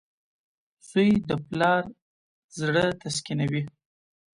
• زوی د پلار زړۀ تسکینوي.